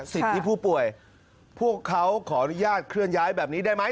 ที่ผู้ป่วยพวกเขาขออนุญาตเคลื่อนย้ายแบบนี้ได้ไหม